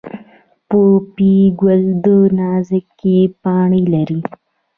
پوپی ګل نازکې پاڼې لري